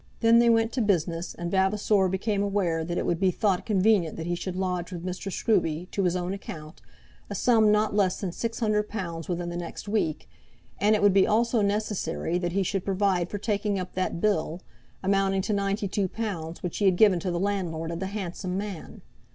Then they went to business, and Vavasor became aware that it would be thought convenient that he should lodge with Mr. Scruby, to his own account, a sum not less than six hundred pounds within the next week, and it would be also necessary that he should provide for taking up that bill, amounting to ninety two pounds, which he had given to the landlord of the "Handsome Man."